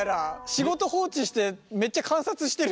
仕事放置してめっちゃ観察してる。